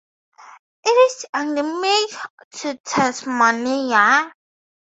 It is endemic to Tasmania.